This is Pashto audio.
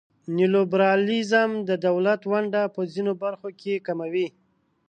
نیولیبرالیزم د دولت ونډه په ځینو برخو کې کموي.